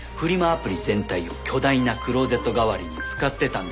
アプリ全体を巨大なクローゼット代わりに使ってたんでしょう。